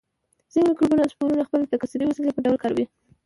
ځینې مکروبونه سپورونه د خپل تکثري وسیلې په ډول کاروي.